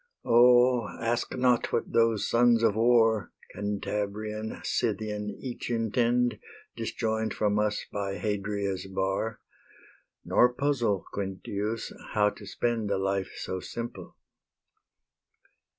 O, Ask not what those sons of war, Cantabrian, Scythian, each intend, Disjoin'd from us by Hadria's bar, Nor puzzle, Quintius, how to spend A life so simple.